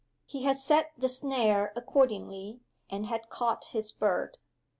He had set the snare accordingly, and had caught his bird.